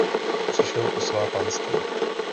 Přišel o svá panství.